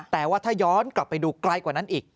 แต่ว่าถ้าย้อนกลับไปดูไกลกว่านั้นอีก